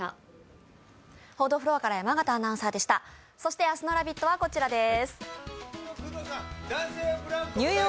そして明日の「ラヴィット！」はこちらです。